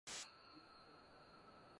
پکیتکا طبیعی ښکلاګاني لري.